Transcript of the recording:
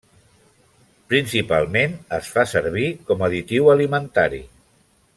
Principalment es fa servir com additiu alimentari.